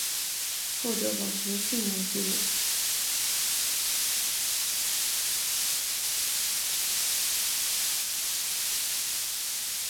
后者保持了四年的纪录。